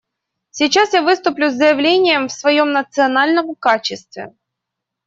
Сейчас я выступлю с заявлением в своем национальном качестве.